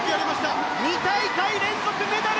２大会連続のメダル！